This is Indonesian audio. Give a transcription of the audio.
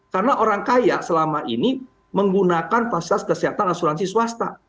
karena orang kaya selama ini menggunakan fasilitas kesehatan asuransi swasta